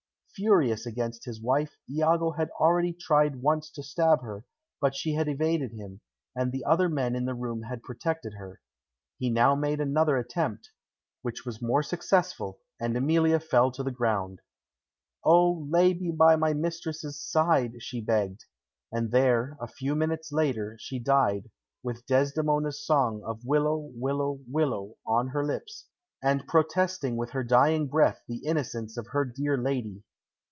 Furious against his wife, Iago had already tried once to stab her, but she had evaded him, and the other men in the room had protected her. He now made another attempt, which was more successful, and Emilia fell to the ground. "O, lay me by my mistress's side!" she begged. And there, a few minutes later, she died, with Desdemona's song of "Willow, willow, willow" on her lips, and protesting with her dying breath the innocence of her dear lady.